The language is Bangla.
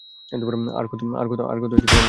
আর কত মারবে ওকে।